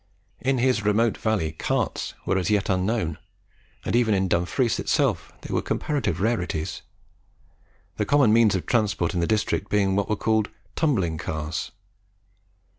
In his remote valley carts were as yet unknown, and even in Dumfries itself they were comparative rarities; the common means of transport in the district being what were called "tumbling cars."